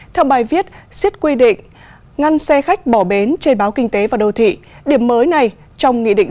theo bài viết xiết quy định ngăn xe khách bỏ bến trên báo kinh tế và đô thị điểm mới này trong nghị định